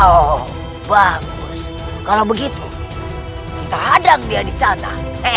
oh bagus kalau begitu kita hadang dia di sana